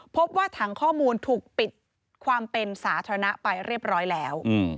พบว่าถังข้อมูลถูกปิดความเป็นสาธารณะไปเรียบร้อยแล้ว